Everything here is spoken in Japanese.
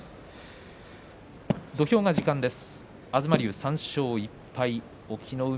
土俵が時間です。